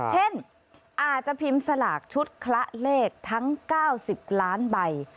เช่นอาจจะพิมพ์สลากชุดคละเลขทั้ง๙๐ล้านใบ